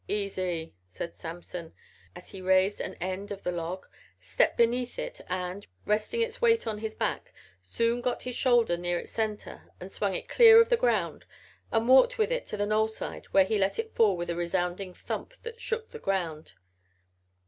"Easy," said Samson as he raised an end of the log, stepped beneath it and, resting its weight on his back, soon got his shoulder near its center and swung it clear of the ground and walked with it to the knollside where he let it fall with a resounding thump that shook the ground.